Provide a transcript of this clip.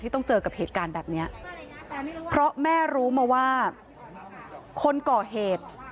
ต้องเจอกับเหตุการณ์แบบนี้เพราะแม่รู้มาว่าคนก่อเหตุ